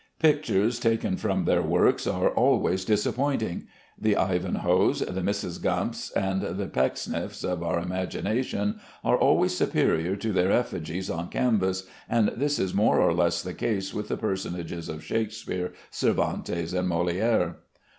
Pictures taken from their works are always disappointing. The Ivanhoes, the Mrs. Gamps, and the Pecksniffs of our imagination are always superior to their effigies on canvas, and this is more or less the case with the personages of Shakespeare, Cervantes, and Molière.